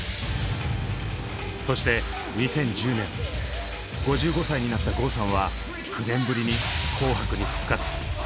そして２０１０年５５歳になった郷さんは９年ぶりに「紅白」に復活。